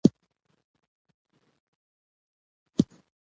د انټرنیټي پیرودلو لپاره ډیجیټل کارتونه ډیر مهم دي.